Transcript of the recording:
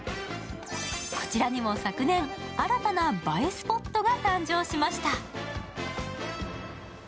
こちらにも昨年、新たな映えスポットが誕生しました。